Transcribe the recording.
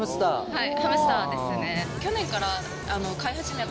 はい。